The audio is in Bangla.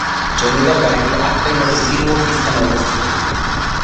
জমিদার বাড়িটি আত্রাই নদীর তীরবর্তী স্থানে অবস্থিত।